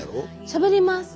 しゃべります。